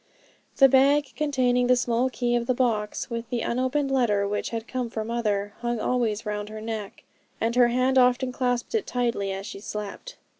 The bag containing the small key of the box, with the unopened letter which had come for her mother, hung always round her neck, and her hand often clasped it tightly as she slept.